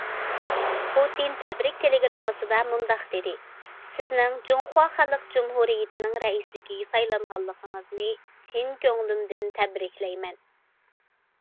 پۇتىن تەبرىك تېلېگراممىسىدا مۇنداق دېدى: سىزنىڭ جۇڭخۇا خەلق جۇمھۇرىيىتىنىڭ رەئىسلىكىگە سايلانغانلىقىڭىزنى چىن كۆڭلۈمدىن تەبرىكلەيمەن.